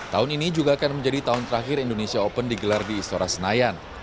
tahun ini juga akan menjadi tahun terakhir indonesia open digelar di istora senayan